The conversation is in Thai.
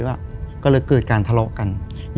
คือก่อนอื่นพี่แจ็คผมได้ตั้งชื่อ